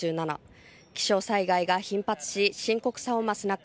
気象災害が頻発し深刻さを増す中